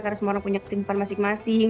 karena semua orang punya kesibukan masing masing